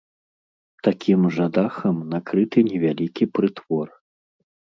Такім жа дахам накрыты невялікі прытвор.